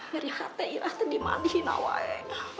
dari hati ira tuh dimandihin awak ya